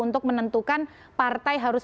untuk menentukan partai harus